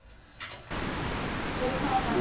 桐沢さん。